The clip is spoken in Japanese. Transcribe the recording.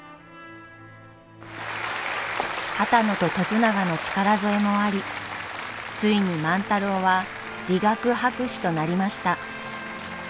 波多野と徳永の力添えもありついに万太郎は理学博士となりました。